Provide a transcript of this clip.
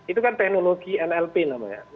itu kan teknologi nlp namanya